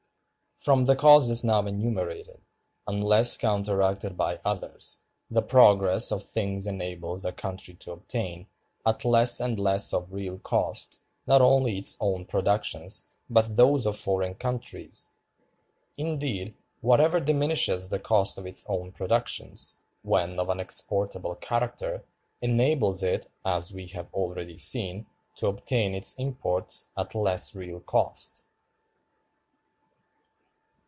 From the causes now enumerated, unless counteracted by others, the progress of things enables a country to obtain, at less and less of real cost, not only its own productions but those of foreign countries. Indeed, whatever diminishes the cost of its own productions, when of an exportable character, enables it, as we have already seen, to obtain its imports at less real cost.